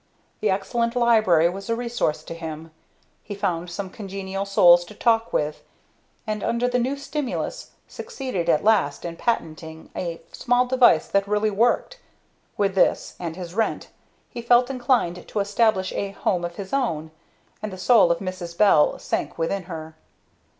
The excellent library was a resource to him; he found some congenial souls to talk with; and under the new stimulus succeeded at last in patenting a small device that really worked. With this, and his rent, he felt inclined to establish a "home of his own," and the soul of Mrs. Bell sank within her.